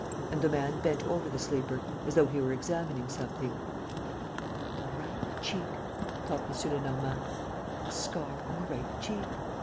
And the man bent over the sleeper, as though he were examining something. "The right cheek," thought M. Lenormand, "the scar on the right cheek.